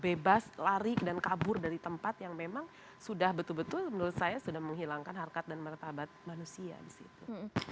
bebas lari dan kabur dari tempat yang memang sudah betul betul menurut saya sudah menghilangkan harkat dan martabat manusia disitu